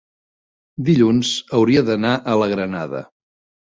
dilluns hauria d'anar a la Granada.